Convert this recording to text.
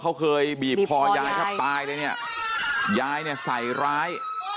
เขาเคยบีบคอยายแทบตายเลยเนี่ยยายเนี่ยใส่ร้าย